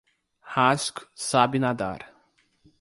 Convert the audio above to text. Rasko sabe nadar.